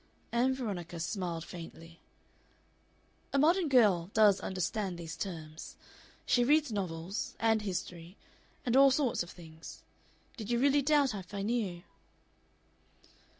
Ann Veronica smiled faintly. "A modern girl does understand these terms. She reads novels and history and all sorts of things. Did you really doubt if I knew?"